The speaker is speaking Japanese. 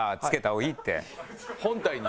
本体に。